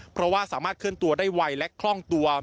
เพราะว่าสามารถเคลื่อนตัวได้ไวและคล่องตัว